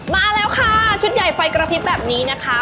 มาแล้วค่ะชุดใหญ่ไฟกระพริบแบบนี้นะคะ